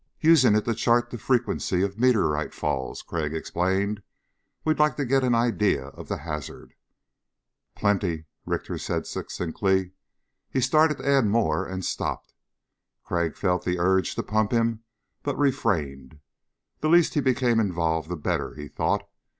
"Using it to chart the frequency of meteorite falls," Crag explained. "We'd like to get an idea of the hazard." "Plenty," Richter said succinctly. He started to add more and stopped. Crag felt the urge to pump him but refrained. The least he became involved the better, he thought.